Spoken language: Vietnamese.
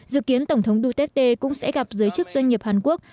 dự kiến tổng thống duterte cũng sẽ gặp giới chức doanh nghiệp hàn quốc